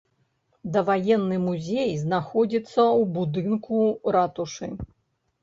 Даваенны музей знаходзіўся ў будынку ратушы.